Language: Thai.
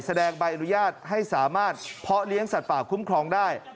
แสดงใบอนุญาตให้สามารถเพาะเลี้ยงสัตว์ป่าคุ้มครองได้